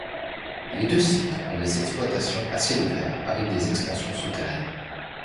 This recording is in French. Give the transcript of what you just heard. Les deux sites ont des exploitations à ciel ouvert avec des expansions souterraines.